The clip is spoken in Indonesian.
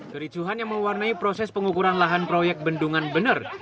kericuhan yang mewarnai proses pengukuran lahan proyek bendungan bener